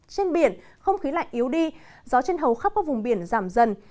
trên biển không khí lạnh yếu đi gió trên hầu khắp các vùng biển giảm dần